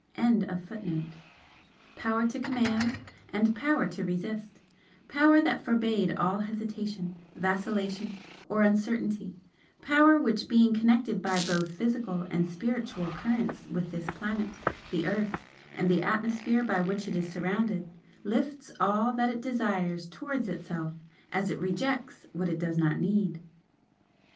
] power to command, and power to resist, power that forbade all hesitation, vacillation or uncertainty power which being connected by both physical and spiritual currents with this planet, the Earth, and the atmosphere by which it is surrounded, lifts all that it desires towards itself, as it rejects what it does not need.